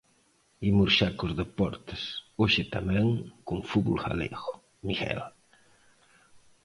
Imos xa cos deportes, hoxe tamén con fútbol galego, Miguel.